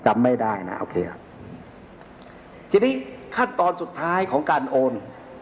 จำไม่ได้นะโอเคครับทีนี้ขั้นตอนสุดท้ายของการโอน